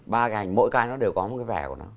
ba cái ảnh mỗi cái nó đều có một cái vẻ của nó